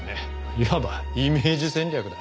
いわばイメージ戦略だ。